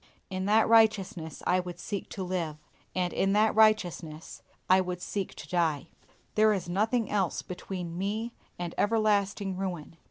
In that righteousness I would seek to live, and in that righteousness I would seek to die. There is nothing else between me and everlasting ruin.